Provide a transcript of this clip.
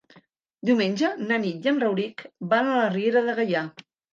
Diumenge na Nit i en Rauric van a la Riera de Gaià.